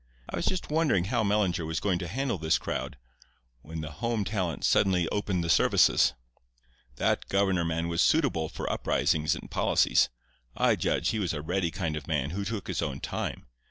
I was just wondering how Mellinger was going to handle his crowd, when the home talent suddenly opened the services. "That governor man was suitable for uprisings and policies. I judge he was a ready kind of man, who took his own time.